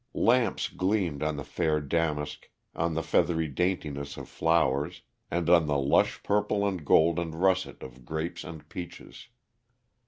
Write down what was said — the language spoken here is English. Lamps gleamed on the fair damask, on the feathery daintiness of flowers, and on the lush purple and gold and russet of grapes and peaches.